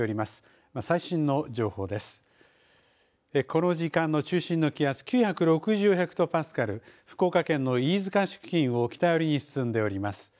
この時間の中心の気圧９６０ヘクトパスカル、福岡県の飯塚市付近を北寄りに進んでおります。